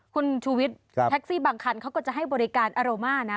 คุณชูวิทย์แท็กซี่บางคันเขาก็จะให้บริการอารม่านะ